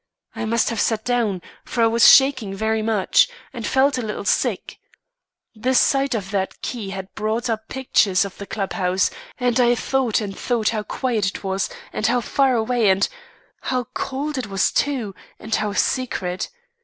I must have sat down; for I was shaking very much, and felt a little sick. The sight of that key had brought up pictures of the club house; and I thought and thought how quiet it was, and how far away and how cold it was too, and how secret.